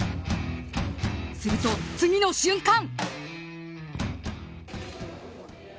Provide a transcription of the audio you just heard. すると、次の瞬間。